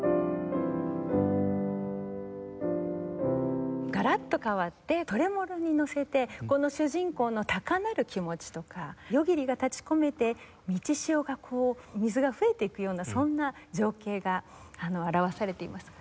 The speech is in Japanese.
『海辺』ガラッと変わってトレモロにのせてこの主人公の高鳴る気持ちとか夜霧が立ち込めて満ち潮がこう水が増えていくようなそんな情景が表されています。